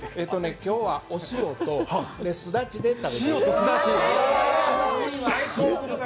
今日はお塩とすだちで食べていただきます。